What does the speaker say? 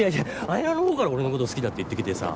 あやなの方から俺のこと好きだって言ってきてさ。